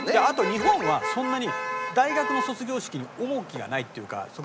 あと日本はそんなに大学の卒業式に重きがないっていうか。